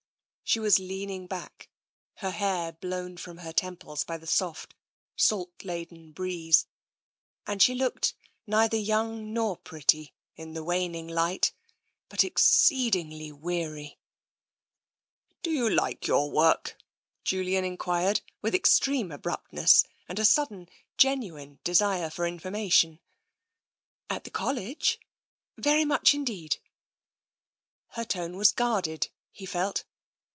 She was leaning back, her hair blown from her tem ples by the soft, salt laden breeze, and she looked neither young nor pretty in the waning light, but ex ceedingly weary. 66 TENSION "Do you like your work?" Julian enquired with extreme abruptness, and a sudden, genuine desire for information. " At the College? Very much indeed." Her tone was guarded, he felt.